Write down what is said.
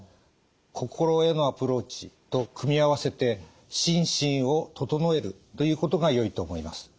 心へのアプローチと組み合わせて心身を整えるということがよいと思います。